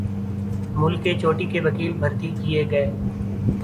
ملک کے چوٹی کے وکیل بھرتی کیے گئے۔